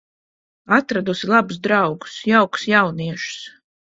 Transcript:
Atradusi labus draugus, jaukus jauniešus.